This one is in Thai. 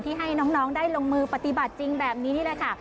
ให้น้องได้ลงมือปฏิบัติจริงแบบนี้นี่แหละค่ะ